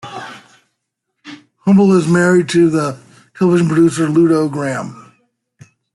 Humble is married to the television producer Ludo Graham.